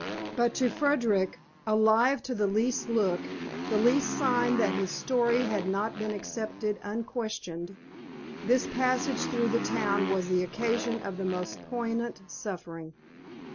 But to Frederick, alive to the least look, the least sign that his story had not been accepted unquestioned, this passage through the town was the occasion of the most poignant suffering.